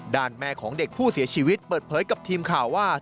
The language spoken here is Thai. แม่ของเด็กผู้เสียชีวิตเปิดเผยกับทีมข่าวว่า